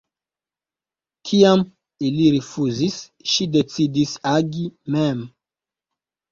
Kiam ili rifuzis, ŝi decidis agi mem.